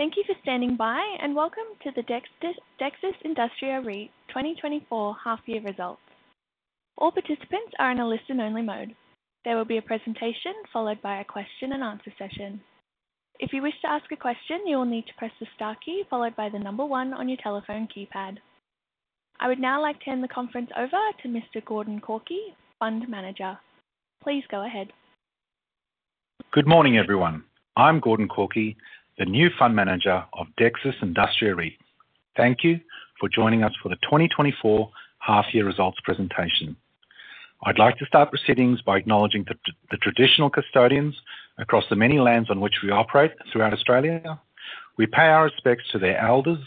Thank you for standing by, and welcome to the Dexus Industria REIT 2024 half-year results. All participants are in a listen-only mode. There will be a presentation followed by a question and answer session. If you wish to ask a question, you will need to press the star key, followed by the number 1 on your telephone keypad. I would now like to hand the conference over to Mr. Gordon Kewkie, Fund Manager. Please go ahead. Good morning, everyone. I'm Gordon Kewkie, the new fund manager of Dexus Industria REIT. Thank you for joining us for the 2024 half year results presentation. I'd like to start proceedings by acknowledging the traditional custodians across the many lands on which we operate throughout Australia. We pay our respects to their elders,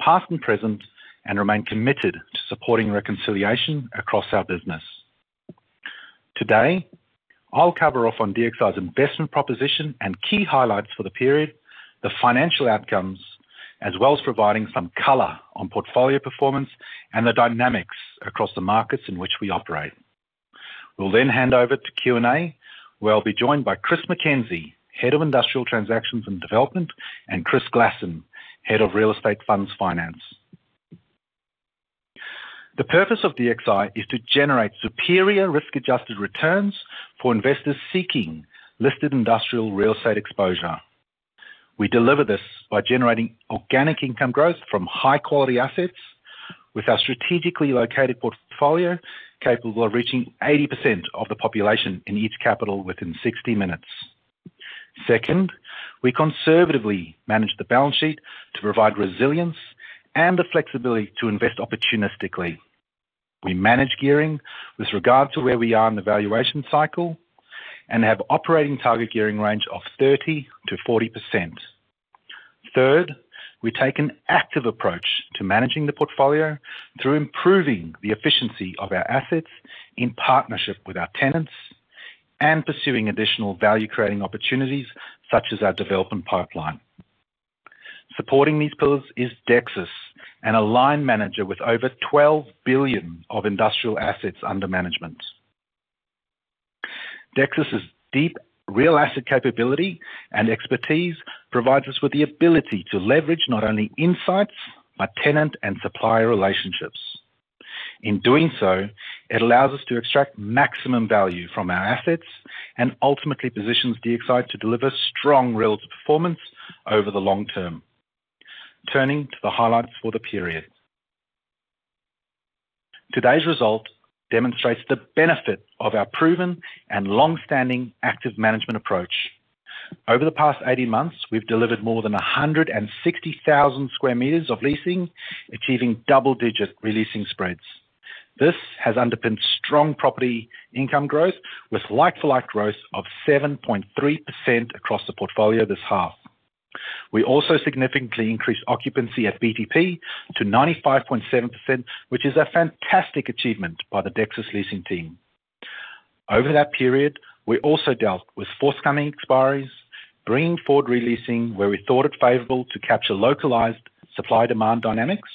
past and present, and remain committed to supporting reconciliation across our business. Today, I'll cover off on DXI's investment proposition and key highlights for the period, the financial outcomes, as well as providing some color on portfolio performance and the dynamics across the markets in which we operate. We'll then hand over to Q&A, where I'll be joined by Chris Mackenzie, Head of Industrial Transactions and Development, and Chris Glasson, Head of Real Estate Funds Finance. The purpose of DXI is to generate superior risk-adjusted returns for investors seeking listed industrial real estate exposure. We deliver this by generating organic income growth from high-quality assets, with our strategically located portfolio capable of reaching 80% of the population in each capital within 60 minutes. Second, we conservatively manage the balance sheet to provide resilience and the flexibility to invest opportunistically. We manage gearing with regard to where we are in the valuation cycle and have operating target gearing range of 30%-40%. Third, we take an active approach to managing the portfolio through improving the efficiency of our assets in partnership with our tenants and pursuing additional value-creating opportunities, such as our development pipeline. Supporting these pillars is Dexus, an aligned manager with over 12 billion of industrial assets under management. Dexus's deep real asset capability and expertise provides us with the ability to leverage not only insights, but tenant and supplier relationships. In doing so, it allows us to extract maximum value from our assets and ultimately positions DXI to deliver strong relative performance over the long term. Turning to the highlights for the period. Today's result demonstrates the benefit of our proven and long-standing active management approach. Over the past 18 months, we've delivered more than 160,000 square meters of leasing, achieving double-digit re-leasing spreads. This has underpinned strong property income growth, with like-for-like growth of 7.3% across the portfolio this half. We also significantly increased occupancy at BTP to 95.7%, which is a fantastic achievement by the Dexus leasing team. Over that period, we also dealt with forthcoming expiries, bringing forward re-leasing where we thought it favorable to capture localized supply-demand dynamics.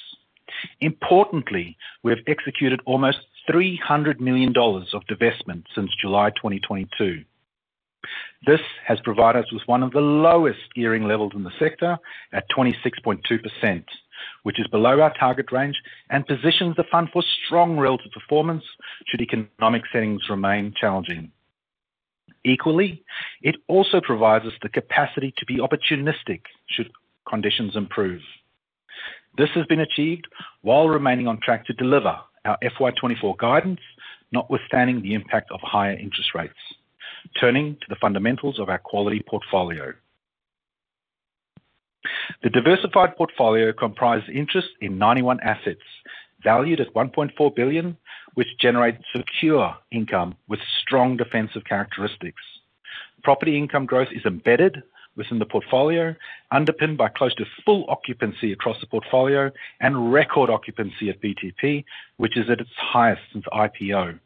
Importantly, we have executed almost 300 million dollars of divestment since July 2022. This has provided us with one of the lowest gearing levels in the sector at 26.2%, which is below our target range and positions the fund for strong relative performance should economic settings remain challenging. Equally, it also provides us the capacity to be opportunistic, should conditions improve. This has been achieved while remaining on track to deliver our FY 2024 guidance, notwithstanding the impact of higher interest rates. Turning to the fundamentals of our quality portfolio. The diversified portfolio comprises interest in 91 assets, valued at 1.4 billion, which generate secure income with strong defensive characteristics. Property income growth is embedded within the portfolio, underpinned by close to full occupancy across the portfolio and record occupancy at BTP, which is at its highest since IPO.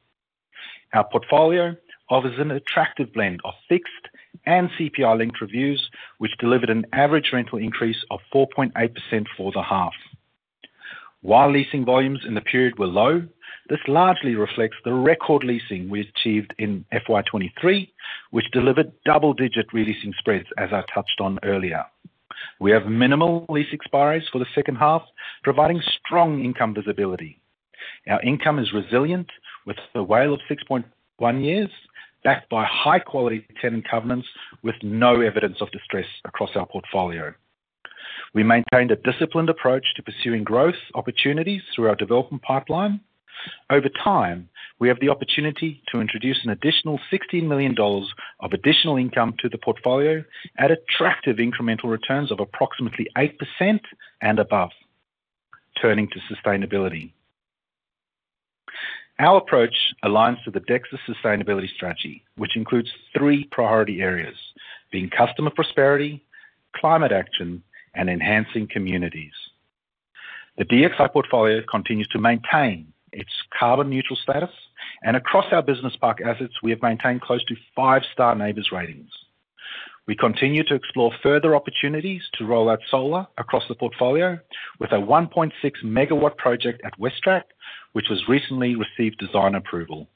Our portfolio offers an attractive blend of fixed and CPI-linked reviews, which delivered an average rental increase of 4.8% for the half. While leasing volumes in the period were low, this largely reflects the record leasing we achieved in FY 2023, which delivered double-digit re-leasing spreads, as I touched on earlier. We have minimal lease expiries for the second half, providing strong income visibility. Our income is resilient, with a WALE of 6.1 years, backed by high-quality tenant covenants, with no evidence of distress across our portfolio. We maintained a disciplined approach to pursuing growth opportunities through our development pipeline. Over time, we have the opportunity to introduce an additional 16 million dollars of additional income to the portfolio at attractive incremental returns of approximately 8% and above. Turning to sustainability. Our approach aligns with the Dexus sustainability strategy, which includes three priority areas, being customer prosperity, climate action, and enhancing communities. The DXI portfolio continues to maintain its carbon-neutral status, and across our business park assets, we have maintained close to five-star NABERS ratings. We continue to explore further opportunities to roll out solar across the portfolio with a 1.6 megawatt project at Westrac, which has recently received design approval....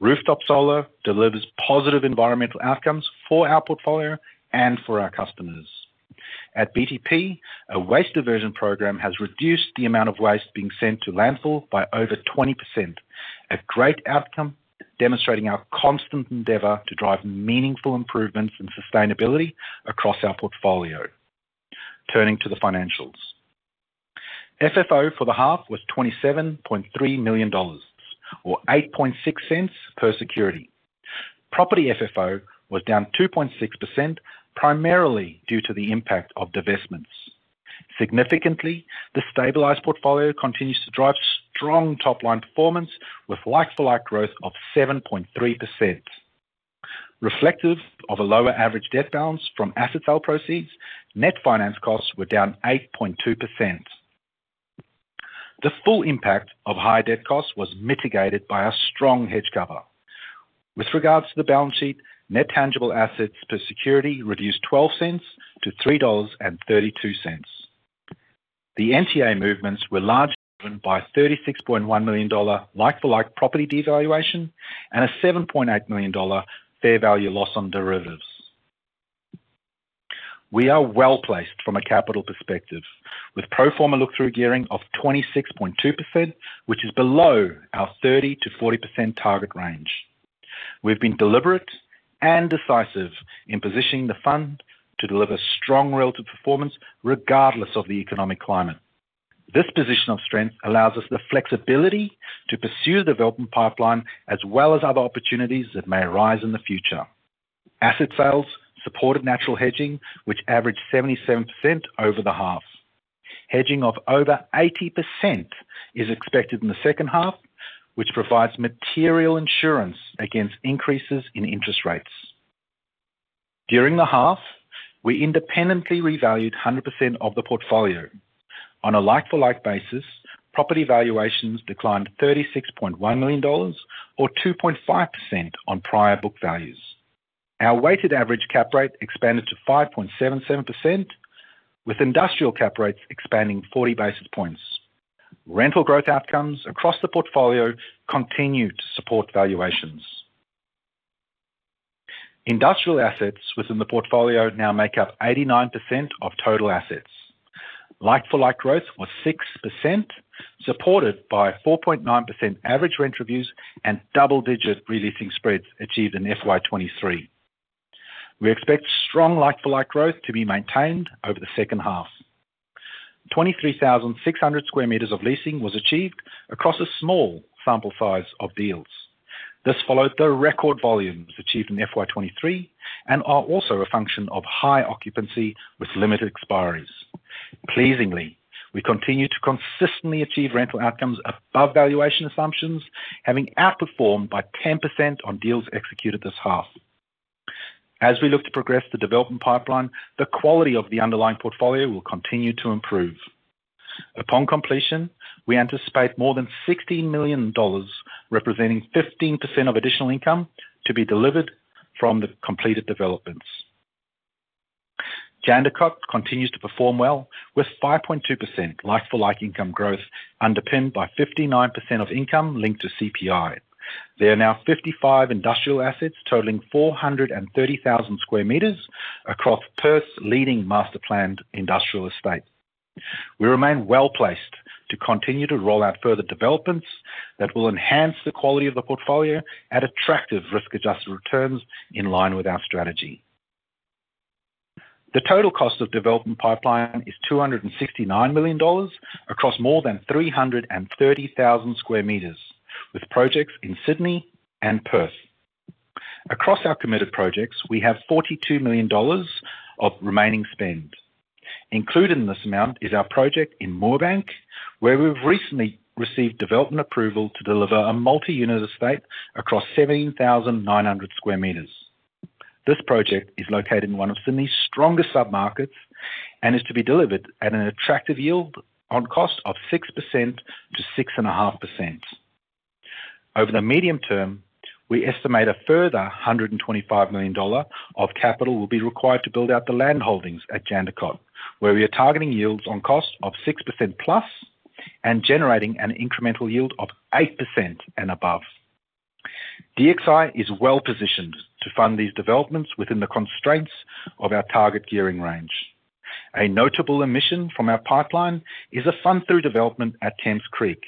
Rooftop solar delivers positive environmental outcomes for our portfolio and for our customers. At BTP, a waste diversion program has reduced the amount of waste being sent to landfill by over 20%. A great outcome, demonstrating our constant endeavor to drive meaningful improvements in sustainability across our portfolio. Turning to the financials. FFO for the half was 27.3 million dollars, or 8.6 cents per security. Property FFO was down 2.6%, primarily due to the impact of divestments. Significantly, the stabilized portfolio continues to drive strong top-line performance, with like-for-like growth of 7.3%. Reflective of a lower average debt balance from asset sale proceeds, net finance costs were down 8.2%. The full impact of high debt costs was mitigated by a strong hedge cover. With regards to the balance sheet, net tangible assets per security reduced 0.12 to 3.32 dollars. The NTA movements were largely driven by a 36.1 million dollar like-for-like property devaluation and a 7.8 million dollar fair value loss on derivatives. We are well-placed from a capital perspective, with pro forma look-through gearing of 26.2%, which is below our 30%-40% target range. We've been deliberate and decisive in positioning the fund to deliver strong relative performance, regardless of the economic climate. This position of strength allows us the flexibility to pursue the development pipeline, as well as other opportunities that may arise in the future. Asset sales supported natural hedging, which averaged 77% over the half. Hedging of over 80% is expected in the second half, which provides material insurance against increases in interest rates. During the half, we independently revalued 100% of the portfolio. On a like-for-like basis, property valuations declined 36.1 million dollars, or 2.5% on prior book values. Our weighted average cap rate expanded to 5.77%, with industrial cap rates expanding 40 basis points. Rental growth outcomes across the portfolio continued to support valuations. Industrial assets within the portfolio now make up 89% of total assets. Like-for-like growth was 6%, supported by 4.9% average rent reviews and double-digit re-leasing spreads achieved in FY 2023. We expect strong like-for-like growth to be maintained over the second half. 23,600 square meters of leasing was achieved across a small sample size of deals. This followed the record volumes achieved in FY 2023 and are also a function of high occupancy with limited expiries. Pleasingly, we continue to consistently achieve rental outcomes above valuation assumptions, having outperformed by 10% on deals executed this half. As we look to progress the development pipeline, the quality of the underlying portfolio will continue to improve. Upon completion, we anticipate more than 16 million dollars, representing 15% of additional income, to be delivered from the completed developments. Jandakot continues to perform well, with 5.2% like-for-like income growth, underpinned by 59% of income linked to CPI. There are now 55 industrial assets, totaling 430,000 square meters across Perth's leading master planned industrial estate. We remain well-placed to continue to roll out further developments that will enhance the quality of the portfolio at attractive risk-adjusted returns in line with our strategy. The total cost of development pipeline is 269 million dollars across more than 330,000 square meters, with projects in Sydney and Perth. Across our committed projects, we have 42 million dollars of remaining spend. Included in this amount is our project in Moorebank, where we've recently received development approval to deliver a multi-unit estate across 17,900 square meters. This project is located in one of Sydney's strongest submarkets and is to be delivered at an attractive yield on cost of 6%-6.5%. Over the medium term, we estimate a further 125 million dollar of capital will be required to build out the landholdings at Jandakot, where we are targeting yields on cost of 6%+ and generating an incremental yield of 8% and above. DXI is well positioned to fund these developments within the constraints of our target gearing range. A notable omission from our pipeline is a fund-through development at Kemps Creek.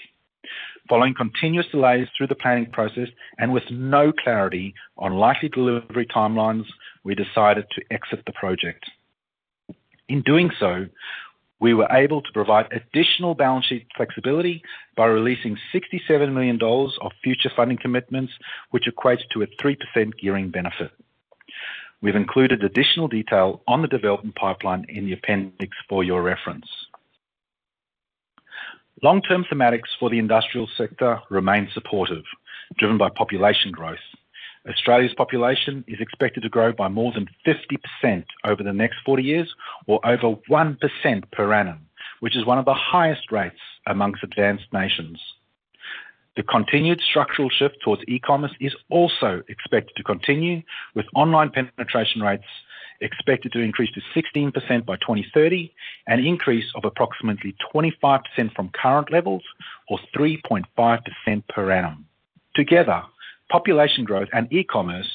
Following continuous delays through the planning process, and with no clarity on likely delivery timelines, we decided to exit the project. In doing so, we were able to provide additional balance sheet flexibility by releasing 67 million dollars of future funding commitments, which equates to a 3% gearing benefit. We've included additional detail on the development pipeline in the appendix for your reference. Long-term thematics for the industrial sector remain supportive, driven by population growth. Australia's population is expected to grow by more than 50% over the next 40 years, or over 1% per annum, which is one of the highest rates among advanced nations. The continued structural shift towards e-commerce is also expected to continue, with online penetration rates expected to increase to 16% by 2030, an increase of approximately 25% from current levels, or 3.5% per annum. Together, population growth and e-commerce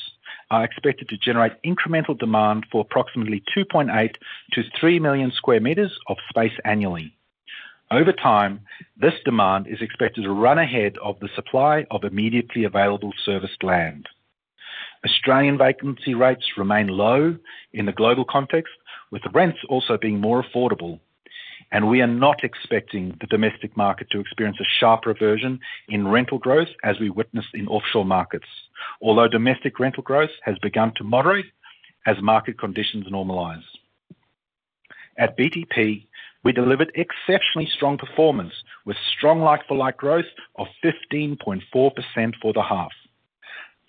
are expected to generate incremental demand for approximately 2.8-3 million sq m of space annually. Over time, this demand is expected to run ahead of the supply of immediately available serviced land. Australian vacancy rates remain low in the global context, with rents also being more affordable, and we are not expecting the domestic market to experience a sharp reversion in rental growth as we witnessed in offshore markets. Although domestic rental growth has begun to moderate as market conditions normalize. At BTP, we delivered exceptionally strong performance, with strong like-for-like growth of 15.4% for the half.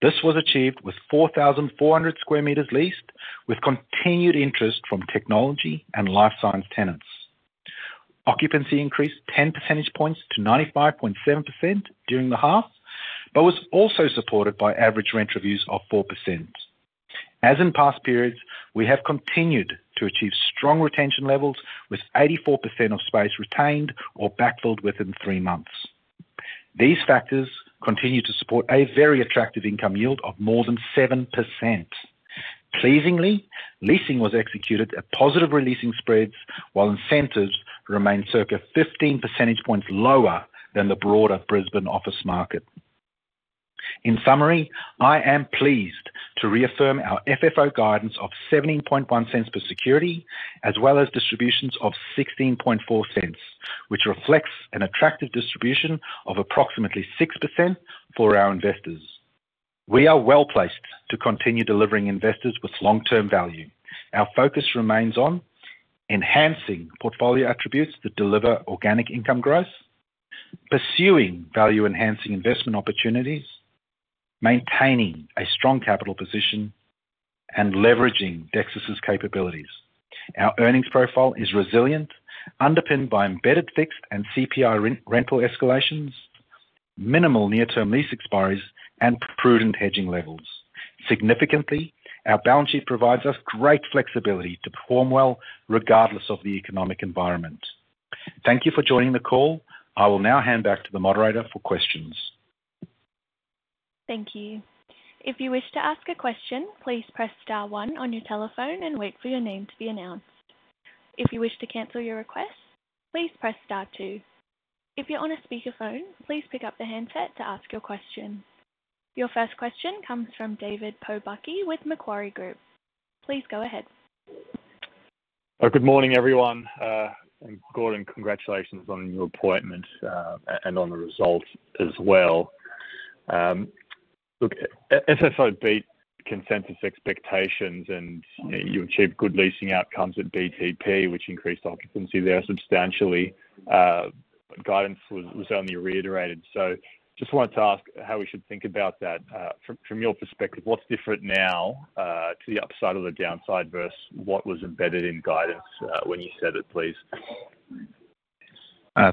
This was achieved with 4,400 sq m leased, with continued interest from technology and life science tenants. Occupancy increased 10 percentage points to 95.7% during the half, but was also supported by average rent reviews of 4%. As in past periods, we have continued to achieve strong retention levels, with 84% of space retained or backfilled within 3 months. These factors continue to support a very attractive income yield of more than 7%. Pleasingly, leasing was executed at positive releasing spreads, while incentives remained circa 15 percentage points lower than the broader Brisbane office market. In summary, I am pleased to reaffirm our FFO guidance of 0.171 per security, as well as distributions of 0.164, which reflects an attractive distribution of approximately 6% for our investors. We are well-placed to continue delivering investors with long-term value. Our focus remains on: enhancing portfolio attributes that deliver organic income growth, pursuing value-enhancing investment opportunities, maintaining a strong capital position, and leveraging Dexus's capabilities. Our earnings profile is resilient, underpinned by embedded fixed and CPI rental escalations, minimal near-term lease expiries, and prudent hedging levels. Significantly, our balance sheet provides us great flexibility to perform well, regardless of the economic environment. Thank you for joining the call. I will now hand back to the moderator for questions. Thank you. If you wish to ask a question, please press star one on your telephone and wait for your name to be announced. If you wish to cancel your request, please press star two. If you're on a speakerphone, please pick up the handset to ask your question. Your first question comes from David Pobucky with Macquarie Group. Please go ahead. Good morning, everyone. And Gordon, congratulations on your appointment, and on the results as well. Look, FFO beat consensus expectations, and you achieved good leasing outcomes at BTP, which increased occupancy there substantially. Guidance was, was only reiterated. So just wanted to ask how we should think about that, from, from your perspective, what's different now, to the upside or the downside versus what was embedded in guidance, when you set it, please?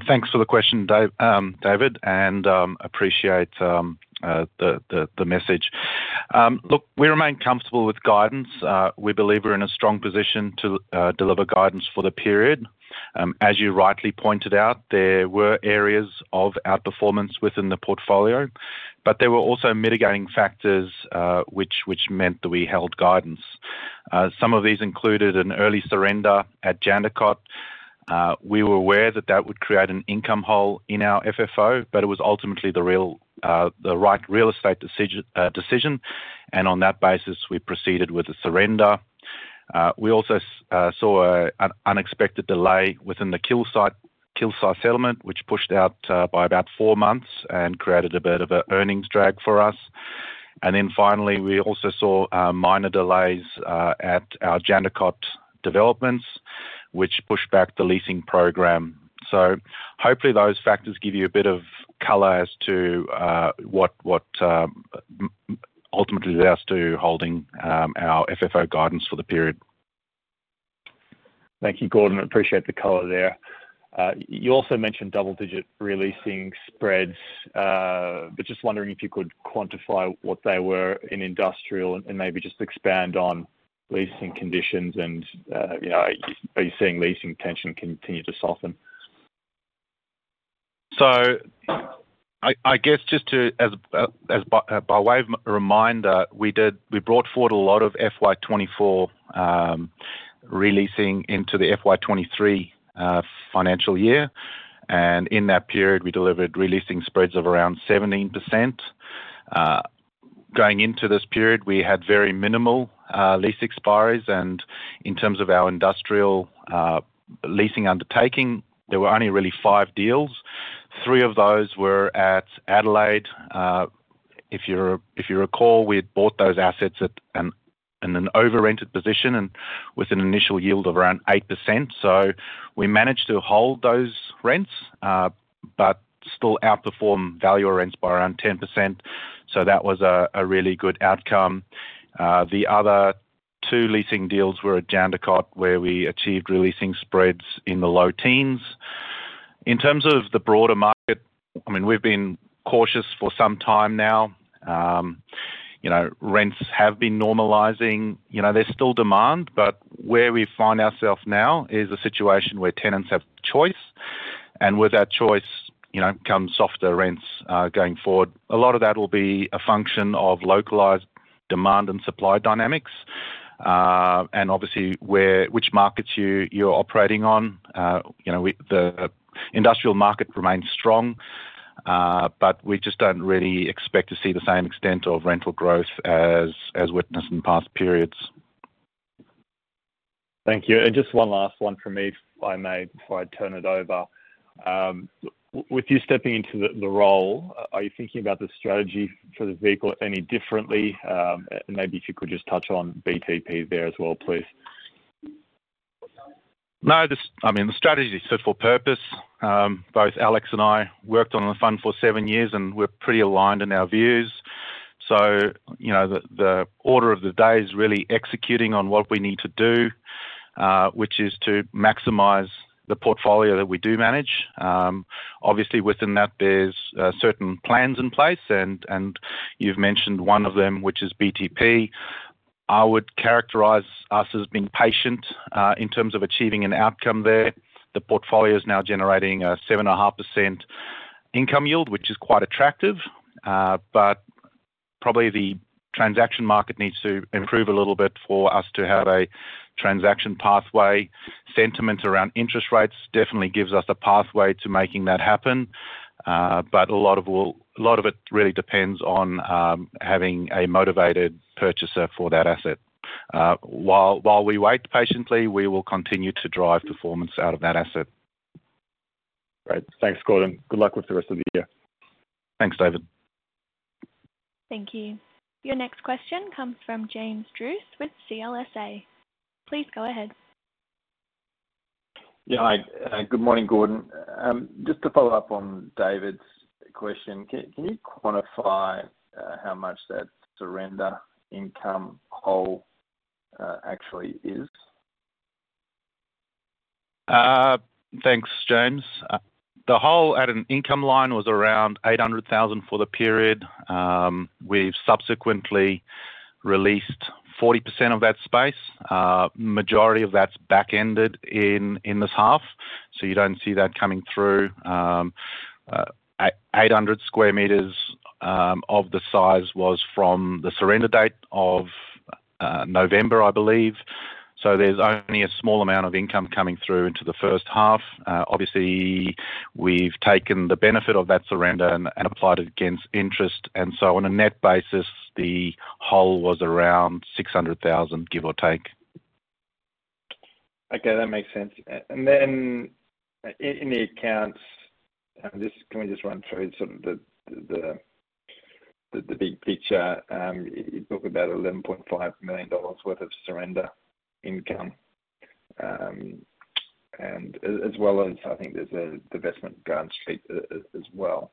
Thanks for the question, David, and appreciate the message. Look, we remain comfortable with guidance. We believe we're in a strong position to deliver guidance for the period. As you rightly pointed out, there were areas of outperformance within the portfolio, but there were also mitigating factors which meant that we held guidance. Some of these included an early surrender at Jandakot. We were aware that that would create an income hole in our FFO, but it was ultimately the right real estate decision, and on that basis, we proceeded with the surrender. We also saw an unexpected delay within the Kilsyth settlement, which pushed out by about four months and created a bit of a earnings drag for us. And then finally, we also saw minor delays at our Jandakot developments, which pushed back the leasing program. So hopefully, those factors give you a bit of color as to what ultimately has us holding our FFO guidance for the period. Thank you, Gordon. Appreciate the color there. You also mentioned double-digit re-leasing spreads, but just wondering if you could quantify what they were in industrial and maybe just expand on leasing conditions and, you know, are you seeing leasing tension continue to soften? So I guess just to, as by way of reminder, we brought forward a lot of FY 2024 re-leasing into the FY 2023 financial year, and in that period, we delivered re-leasing spreads of around 17%. Going into this period, we had very minimal lease expiries, and in terms of our industrial leasing undertaking, there were only really 5 deals. 3 of those were at Adelaide. If you recall, we had bought those assets at an overrented position and with an initial yield of around 8%. So we managed to hold those rents, but still outperform value or rents by around 10%. So that was a really good outcome. The other 2 leasing deals were at Jandakot, where we achieved re-leasing spreads in the low teens.... In terms of the broader market, I mean, we've been cautious for some time now. You know, rents have been normalizing. You know, there's still demand, but where we find ourselves now is a situation where tenants have choice, and with that choice, you know, comes softer rents going forward. A lot of that will be a function of localized demand and supply dynamics, and obviously, which markets you're operating on. You know, we, the industrial market remains strong, but we just don't really expect to see the same extent of rental growth as witnessed in past periods. Thank you. Just one last one from me, if I may, before I turn it over. With you stepping into the role, are you thinking about the strategy for the vehicle any differently? Maybe if you could just touch on BTP there as well, please. No, I mean, the strategy is fit for purpose. Both Alex and I worked on the fund for seven years, and we're pretty aligned in our views. So, you know, the order of the day is really executing on what we need to do, which is to maximize the portfolio that we do manage. Obviously, within that, there's certain plans in place, and you've mentioned one of them, which is BTP. I would characterize us as being patient in terms of achieving an outcome there. The portfolio is now generating a 7.5% income yield, which is quite attractive, but probably the transaction market needs to improve a little bit for us to have a transaction pathway. Sentiment around interest rates definitely gives us a pathway to making that happen, but a lot of it really depends on having a motivated purchaser for that asset. While we wait patiently, we will continue to drive performance out of that asset. Great. Thanks, Gordon. Good luck with the rest of the year. Thanks, David. Thank you. Your next question comes from James Druce with CLSA. Please go ahead. Yeah, hi, good morning, Gordon. Just to follow up on David's question, can you quantify how much that surrender income hole actually is? Thanks, James. The hole at an income line was around 800,000 for the period. We've subsequently released 40% of that space. Majority of that's back-ended in this half, so you don't see that coming through. Eight hundred square meters of the size was from the surrender date of November, I believe. So there's only a small amount of income coming through into the first half. Obviously, we've taken the benefit of that surrender and applied it against interest, and so on a net basis, the hole was around 600,000, give or take. Okay, that makes sense. And then in the accounts, and this, can we just run through sort of the big picture? You book about 11.5 million dollars worth of surrender income, and as well as, I think there's a divestment Grand Street, as well.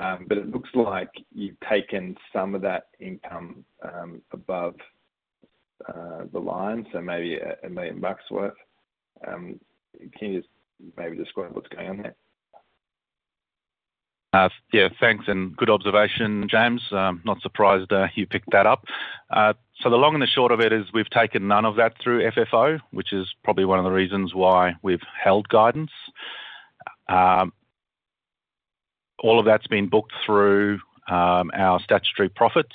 But it looks like you've taken some of that income above the line, so maybe 1 million bucks worth. Can you just maybe describe what's going on there? Yeah, thanks, and good observation, James. I'm not surprised you picked that up. So the long and short of it is we've taken none of that through FFO, which is probably one of the reasons why we've held guidance. All of that's been booked through our statutory profits.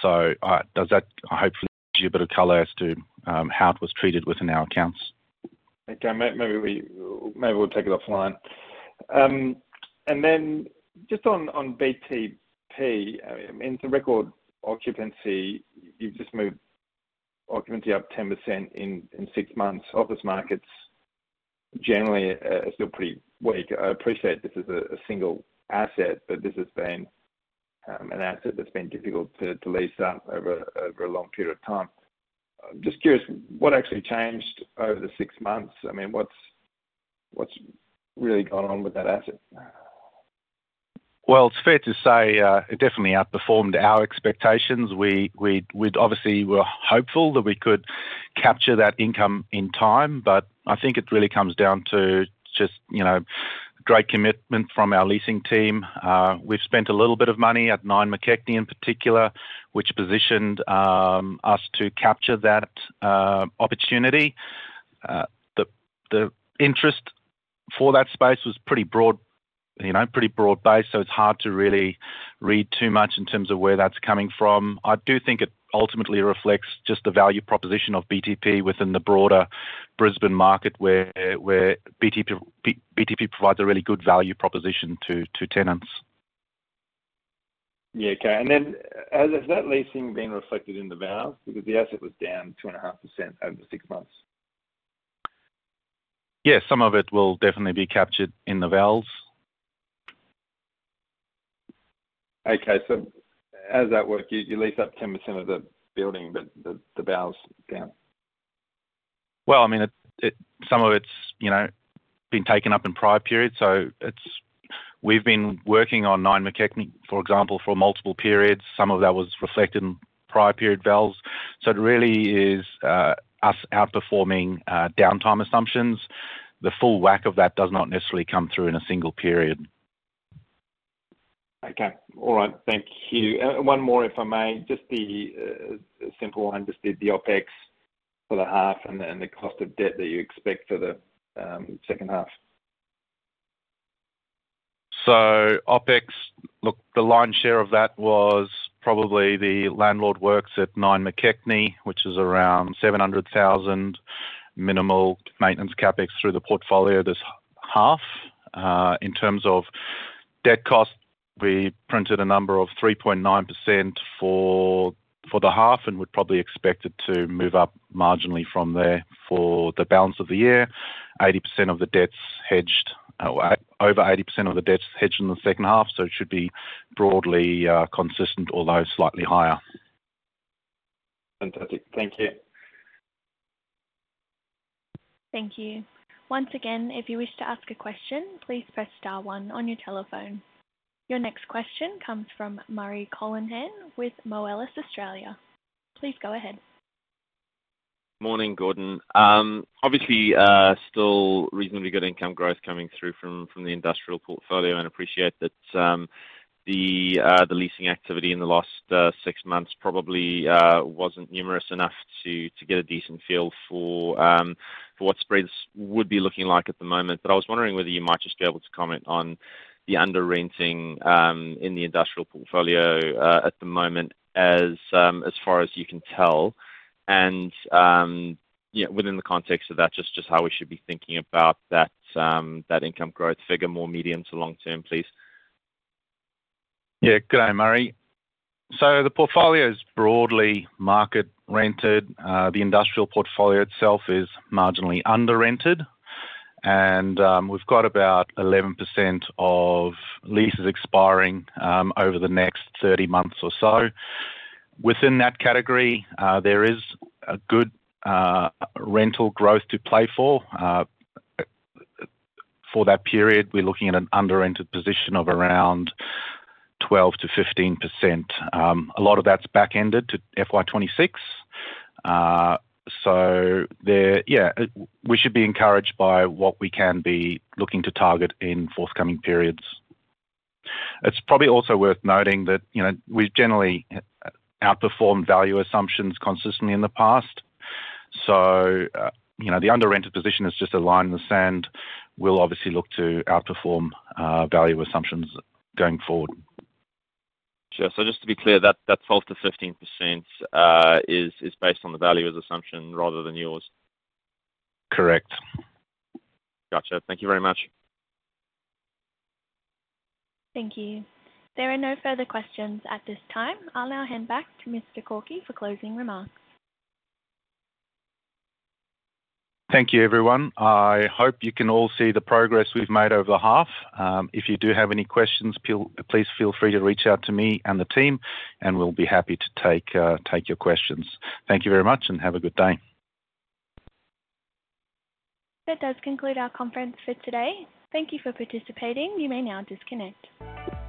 So, does that hopefully give you a bit of color as to how it was treated within our accounts? Okay, maybe we'll take it offline. And then just on BTP, I mean, it's a record occupancy. You've just moved occupancy up 10% in six months. Office markets generally are still pretty weak. I appreciate this is a single asset, but this has been an asset that's been difficult to lease up over a long period of time. Just curious, what actually changed over the six months? I mean, what's really going on with that asset? Well, it's fair to say, it definitely outperformed our expectations. We'd obviously were hopeful that we could capture that income in time, but I think it really comes down to just, you know, great commitment from our leasing team. We've spent a little bit of money at Nine McKechnie, in particular, which positioned us to capture that opportunity. The interest for that space was pretty broad, you know, pretty broad-based, so it's hard to really read too much in terms of where that's coming from. I do think it ultimately reflects just the value proposition of BTP within the broader Brisbane market, where BTP provides a really good value proposition to tenants. Yeah, okay. And then, has that leasing been reflected in the val? Because the asset was down 2.5% over six months. Yes, some of it will definitely be captured in the vals. Okay, so how does that work? You lease up 10% of the building, but the val's down. Well, I mean, it... Some of it's, you know, been taken up in prior periods, so it's... We've been working on Nine McKechnie, for example, for multiple periods. Some of that was reflected in prior period values. So it really is us outperforming downtime assumptions. The full whack of that does not necessarily come through in a single period. Okay. All right, thank you. One more, if I may, just the simple one, just the OpEx for the half and then the cost of debt that you expect for the second half. So OpEx, look, the lion's share of that was probably the landlord works at Nine McKechnie, which is around 700,000 minimal maintenance CapEx through the portfolio this half. In terms of debt cost, we printed a number of 3.9% for the half, and we're probably expected to move up marginally from there for the balance of the year. 80% of the debt's hedged-- over 80% of the debt's hedged in the second half, so it should be broadly consistent, although slightly higher. Fantastic. Thank you. Thank you. Once again, if you wish to ask a question, please press star one on your telephone. Your next question comes from Murray Conallin with Moelis Australia. Please go ahead. Morning, Gordon. Obviously, still reasonably good income growth coming through from the industrial portfolio, and appreciate that the leasing activity in the last six months probably wasn't numerous enough to get a decent feel for what spreads would be looking like at the moment. But I was wondering whether you might just be able to comment on the under-renting in the industrial portfolio at the moment, as far as you can tell. And yeah, within the context of that, just how we should be thinking about that income growth figure, more medium- to long-term, please. Yeah. Good day, Murray. So the portfolio is broadly market rented. The industrial portfolio itself is marginally under-rented, and, we've got about 11% of leases expiring, over the next 30 months or so. Within that category, there is a good, rental growth to play for. For that period, we're looking at an under-rented position of around 12%-15%. A lot of that's backended to FY 2026. So there... Yeah, we should be encouraged by what we can be looking to target in forthcoming periods. It's probably also worth noting that, you know, we've generally outperformed value assumptions consistently in the past, so, you know, the under-rented position is just a line in the sand. We'll obviously look to outperform, value assumptions going forward. Sure. So just to be clear, that 12%-15% is based on the value as assumption rather than yours? Correct. Gotcha. Thank you very much. Thank you. There are no further questions at this time. I'll now hand back to Mr. Korkie for closing remarks. Thank you, everyone. I hope you can all see the progress we've made over the half. If you do have any questions, please feel free to reach out to me and the team, and we'll be happy to take your questions. Thank you very much, and have a good day. That does conclude our conference for today. Thank you for participating. You may now disconnect.